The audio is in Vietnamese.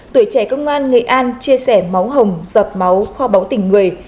tuổi trẻ công an nghệ an chia sẻ máu hồng giọt máu kho báu tình người